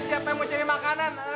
siapa yang mau cari makanan